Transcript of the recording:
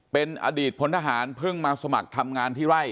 เป็นอดีตพลทหารเพิ่งมาสมัครทำงานที่ไร่